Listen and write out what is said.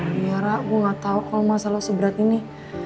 biar gue gak tau kalo masa lo seberat ini